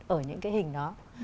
ở những cái hình đó